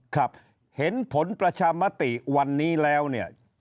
ครับเห็นผลประชามติวันนี้แล้วเนี่ย